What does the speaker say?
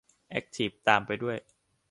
แอ็คทีฟตามไปด้วย